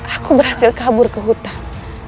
aku berhasil kabur ke hutan